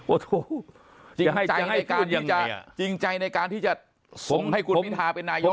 โอ้โธจริงใจในการที่จะสงให้กุฎมินทราเป็นนายก